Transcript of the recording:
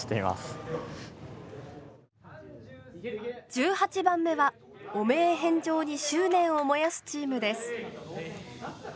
１８番目は汚名返上に執念を燃やすチームです。